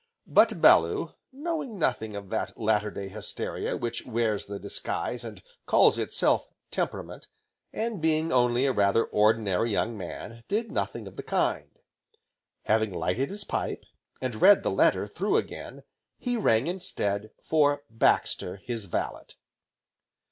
But Bellew, knowing nothing of that latter day hysteria which wears the disguise, and calls itself "Temperament," and being only a rather ordinary young man, did nothing of the kind. Having lighted his pipe, and read the letter through again, he rang instead for Baxter, his valet.